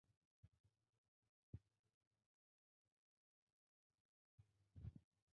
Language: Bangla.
কিন্তু ইন্ডিপেনডেন্টের প্রতিবেদন অনুযায়ী, কয়েকটি ব্যাপারে মেসি নাকি ভেতরে-ভেতরে গুমরে মরছেন।